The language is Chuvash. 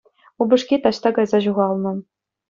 Упӑшки таҫта кайса ҫухалнӑ.